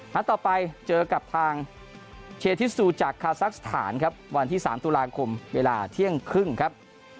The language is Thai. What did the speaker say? นัดต่อไปเจอกับทางเชธิซูจากคาซักสถานครับวันที่๓ตุลาคมเวลาเที่ยงครึ่งครับ